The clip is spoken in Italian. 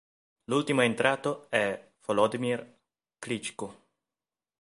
L'ultimo entrato è Volodymyr Klyčko.